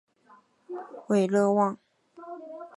韦勒旺。